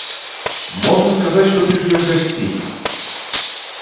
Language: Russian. Можно сказать, что ты ждешь гостей.